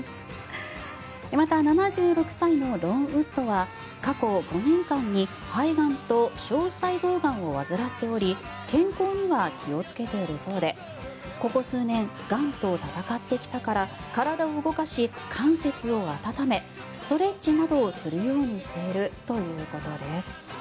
また、７６歳のロン・ウッドは過去５年間に肺がんと小細胞がんを患っており健康には気をつけているそうでここ数年、がんと闘ってきたから体を動かし関節を温めストレッチなどをするようにしているということです。